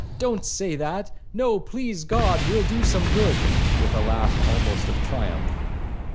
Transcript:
don't say that,' 'No, please God, we'll do some good,' with a laugh almost of triumph.